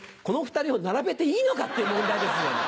この２人を並べていいのかっていう問題ですよ。